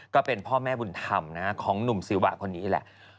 ก็เป็นพ่อแม่บุญธรรมของหนุ่มซิละคนนี้แหละ